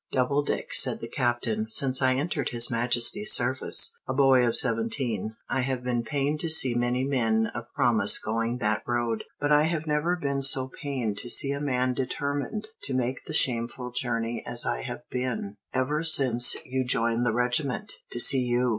"Doubledick," said the Captain, "since I entered his Majesty's service, a boy of seventeen, I have been pained to see many men of promise going that road; but I have never been so pained to see a man determined to make the shameful journey as I have been, ever since you joined the regiment, to see you."